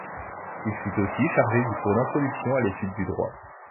Il fut aussi chargé du cours d'introduction à l'étude du Droit.